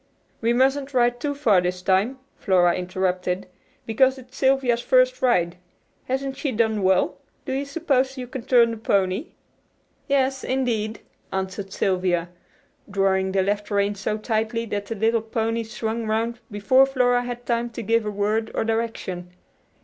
"We mustn't ride too far this time," Flora interrupted, "because it's Sylvia's first ride. Hasn't she done well? Do you suppose you can turn the pony?" "Yes, indeed," answered Sylvia, drawing the left rein so tightly that the little pony swung round before Flora had time to give a word of direction.